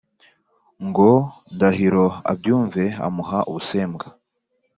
ngo ndahiro abumve amuha ubusembwa